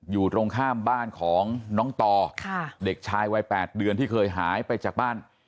อยู่ตรงข้ามบ้านของน้องต่อเด็กชายวัย๘เดือนที่เคยหายไปจากบ้าน